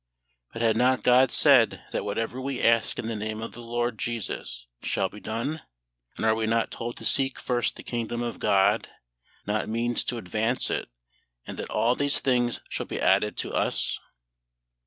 But had not GOD said that whatever we ask in the Name of the LORD JESUS shall be done? And are we not told to seek first the kingdom of GOD, not means to advance it, and that all these things shall be added to us?